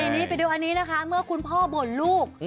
นี่ไปดูอันนี้นะคะเมื่อคุณพ่อบ่นลูก